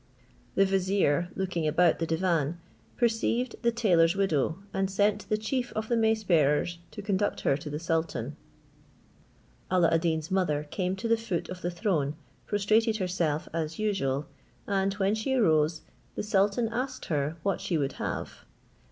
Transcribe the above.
The vizier looking about the divan, perceived the tailor's widow, and sent the chief of the mace bearers to conduct her to the sultan. Alla ad Deen's mother came to the foot of the throne, prostrated herself as usual, and when she rose, the sultan asked her what she would have.